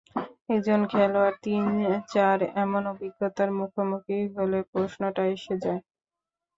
একজন খেলোয়াড় তিন-চার বার এমন অভিজ্ঞতার মুখোমুখি হলে প্রশ্নটা এসে যায়।